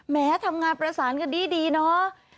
แม้ทำงานประสานกันดีเนาะ